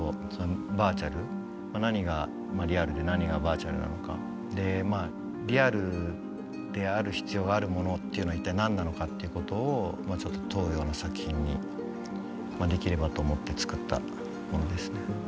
何がリアルで何がバーチャルなのかリアルである必要があるものっていうのは一体何なのかっていうことをちょっと問うような作品にできればと思って作ったものですね。